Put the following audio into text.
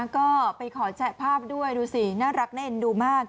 ก็ไปขอแชะภาพด้วยดูสิน่ารักน่าเอ็นดูมาก